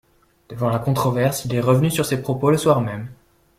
Devant la controverse, il est revenu sur ses propos le soir même.